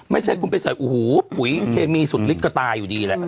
ไม่ใช่คุณไปใส่อู้หูปุ๋ยเคมีสุดฤทธิ์ก็ตายอยู่ดีแหละ